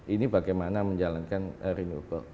ini bagaimana menjalankan renewable